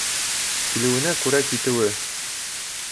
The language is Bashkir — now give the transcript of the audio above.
Килеүенә күрә китеүе.